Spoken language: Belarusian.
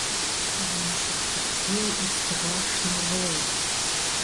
А ён усё хрыпеў і страшна роў.